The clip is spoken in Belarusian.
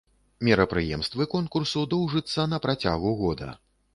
Мерапрыемствы конкурсу доўжыцца на працягу года.